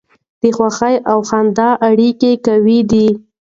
د خوښۍ او خندا اړیکه قوي ده.